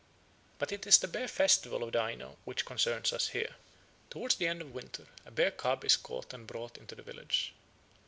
But it is the bear festival of the Aino which concerns us here. Towards the end of winter a bear cub is caught and brought into the village.